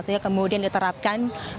sehingga kemudian diterapkan